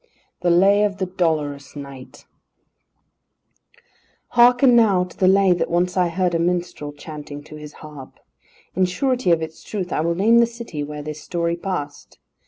III THE LAY OF THE DOLOROUS KNIGHT Hearken now to the Lay that once I heard a minstrel chanting to his harp. In surety of its truth I will name the city where this story passed.